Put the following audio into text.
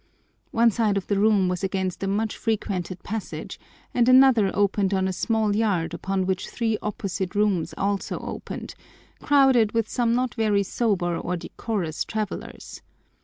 One side of the room was against a much frequented passage, and another opened on a small yard upon which three opposite rooms also opened, crowded with some not very sober or decorous travellers.